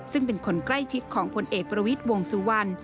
ซึ่งเป็นคนใกล้ชิดของพลเอกประวิทย์วงสุวรรณ